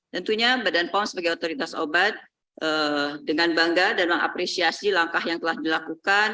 tentunya badan pom sebagai otoritas obat dengan bangga dan mengapresiasi langkah yang telah dilakukan